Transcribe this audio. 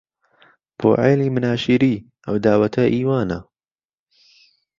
بۆ عێلی مناشیری ئەو داوەتە ئی وانە